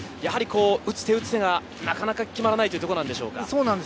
打つ手がなかなか決まらないというところでしょうか。